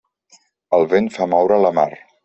El vent fa moure la mar.